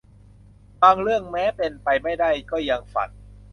บางเรื่องแม้เป็นไปไม่ได้ก็ยังฝัน